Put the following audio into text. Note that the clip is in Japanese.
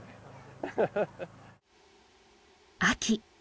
秋。